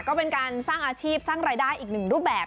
ก็เป็นการสร้างอาชีพสร้างรายได้อีกหนึ่งรูปแบบ